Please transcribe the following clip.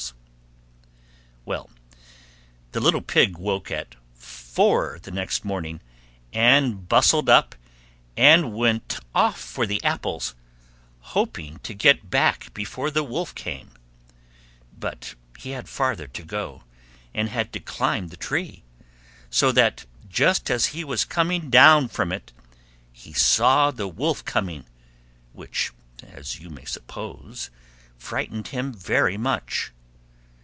Well, the little Pig woke at four the next morning, and bustled up, and went off for the apples, hoping to get back before the Wolf came; but he had farther to go, and had to climb the tree, so that just as he was coming down from it, he saw the Wolf coming, which, as you may suppose, frightened him very much.